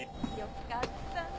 よかったね